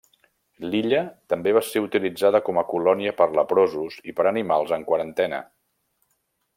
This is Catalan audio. L'illa també va ser utilitzada com a colònia per leprosos i per animals en quarantena.